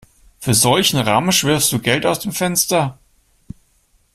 Für solchen Ramsch wirfst du Geld aus dem Fenster?